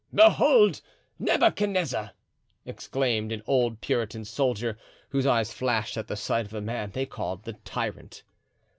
"Behold Nebuchadnezzar!" exclaimed an old Puritan soldier, whose eyes flashed at the sight of the man they called the tyrant.